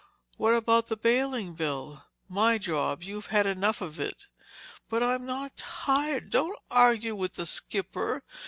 "What about the bailing, Bill?" "My job. You've had enough of it." "But I'm not tired—" "Don't argue with the skipper!"